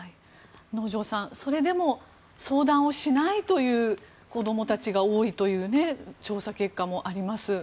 能條さん、それでも相談しないという子どもたちが多いという調査結果もあります。